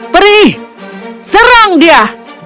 perih serang dia